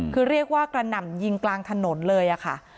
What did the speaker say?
คือเรียกว่ากระหน่ำยิงกลางถนนเลยค่ะ